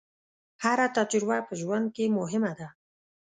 هره تجربه په ژوند کې مهمه ده.